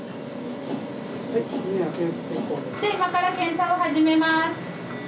じゃあ、今から検査を始めます。